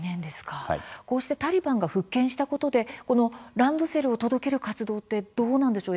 こうしてタリバンが復権したことでランドセルを届ける活動ってどうなんでしょう？